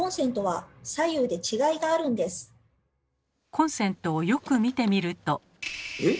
コンセントをよく見てみると。え？